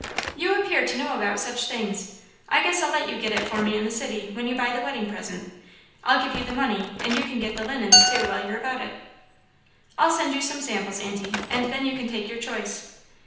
"You appear to know about such things. I guess I'll let you get it for me in the city when you buy the weddin' present. I'll give you the money, and you can get the linin's too, while you're about it." "I'll send you some samples, Aunty, and then you can take your choice."